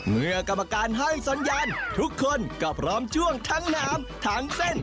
เมื่อกรรมการให้สัญญาณทุกคนก็พร้อมช่วงทั้งน้ำทั้งเส้น